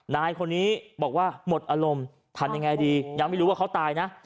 นายคนนี้บอกว่าหมดอารมณ์ทำยังไงดียังไม่รู้ว่าเขาตายนะ